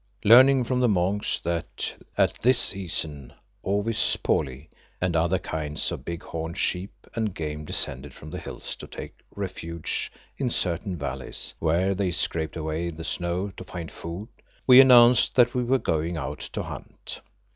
Learning from the monks that at this season ovis poli and other kinds of big horned sheep and game descended from the hills to take refuge in certain valleys, where they scraped away the snow to find food, we announced that we were going out to hunt.